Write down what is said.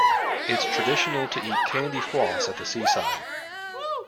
It's traditional to eat candy floss at the seaside